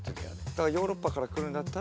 だからヨーロッパから来るんだったら。